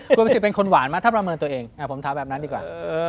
คุณประสิทธิ์เป็นคนหวานไหมถ้าประเมินตัวเองผมถามแบบนั้นดีกว่า